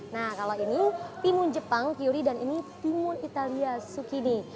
nah kalau ini timun jepang kiri dan ini timun italia sukini